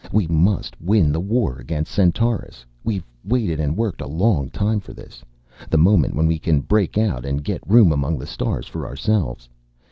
We must win the war against Centaurus. We've waited and worked a long time for this, the moment when we can break out and get room among the stars for ourselves.